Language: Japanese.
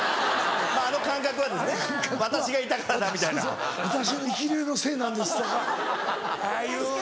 あの感覚は「私がいたから」みたいな。「私の生き霊のせいなんです」とかいうのは。